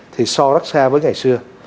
thì so rất xa với ngày xưa